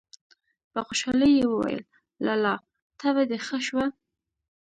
په خوشالي يې وويل: لالا! تبه دې ښه شوه!!!